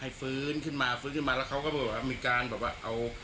ฟื้นขึ้นมาฟื้นขึ้นมาแล้วเขาก็บอกว่ามีการแบบว่าเอา